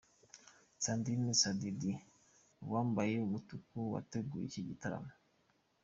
sandrine Sadidi, uwambaye umutuku wateguye iki gitaramo.